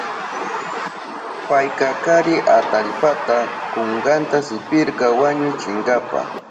Payka kari atallpata kunkanta sipirka wañuchinanpa.